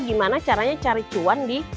gimana caranya cari cuan di